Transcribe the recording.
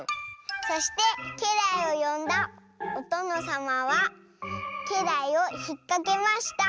「そしてけらいをよんだおとのさまはけらいをひっかけました。